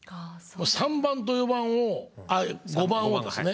３番と４番をいや５番をですね。